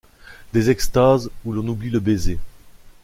Des extases où l’on oublie le baiser.